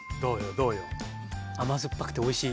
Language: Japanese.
甘酸っぱくておいしい。